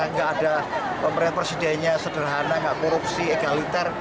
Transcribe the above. nggak ada pemerintah pemerintah sederhana nggak korupsi egalitar